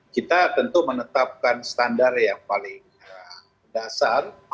kita tentu menetapkan standar yang paling dasar